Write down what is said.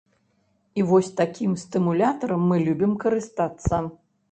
І вось такім стымулятарам мы любім карыстацца!